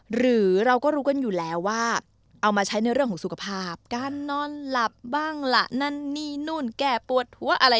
หรือเราก็รู้กันอยู่แล้วว่าเอามาใช้ในเรื่องของสุขภาพการนอนหลับบ้างล่ะนั่นนี่นู่นแก้ปวดหัวอะไร